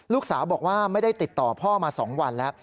ลูกสาวบอกว่าไม่ได้ติดต่อพ่อมา๒วันแล้ว